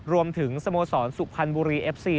รวมถึงสโมสรสุพรรณบุรีเอฟซี